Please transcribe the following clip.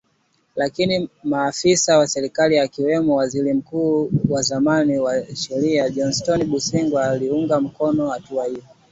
lakini maafisa wa serikali akiwemo waziri wa zamani wa sheria Johnston Busingye waliunga mkono hatua hiyo